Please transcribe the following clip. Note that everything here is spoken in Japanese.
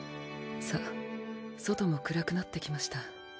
さぁ外も暗くなってきました。